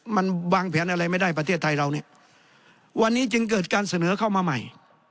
มันวางแผนอะไรไม่ได้ประเทศไทยเราเนี่ยวันนี้จึงเกิดการเสนอเข้ามาใหม่